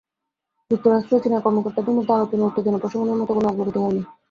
যুক্তরাষ্ট্র ও চীনা কর্মকর্তাদের মধ্যে আলোচনায় উত্তেজনা প্রশমনের মতো কোনো অগ্রগতি হয়নি।